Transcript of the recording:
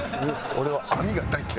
俺は網が大嫌い。